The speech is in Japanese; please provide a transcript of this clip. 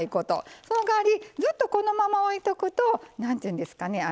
そのかわりずっとこのまま置いとくとなんていうんですかね